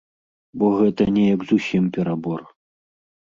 Бо гэта неяк зусім перабор.